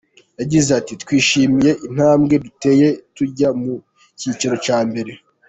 Yagize ati “Twishimiye intambwe duteye tujya mu cyiciro cya mbere.